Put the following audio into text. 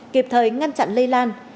kịp thời ngăn chặn lây lan